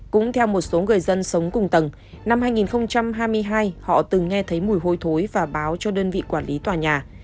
cũng theo một số người dân sống cùng tầng năm hai nghìn hai mươi hai họ từng nghe thấy mùi hôi thối và báo cho đơn vị quản lý tòa nhà